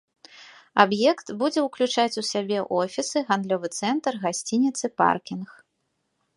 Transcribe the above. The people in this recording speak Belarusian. Аб'ект будзе ўключаць у сябе офісы, гандлёвы цэнтр, гасцініцы, паркінг.